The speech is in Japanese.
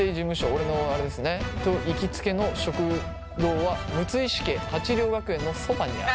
俺のあれですねと行きつけの食堂は六石家鉢涼学園のそばにある！